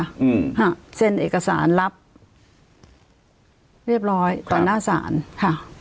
อืมฮะเซ็นเอกสารรับเรียบร้อยต่อหน้าศาลค่ะ